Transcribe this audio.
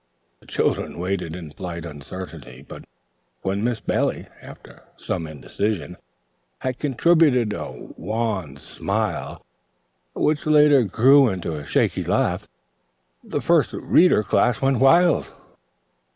The children waited in polite uncertainty, but when Miss Bailey, after some indecision, had contributed a wan smile, which later grew into a shaky laugh, the First Reader Class went wild.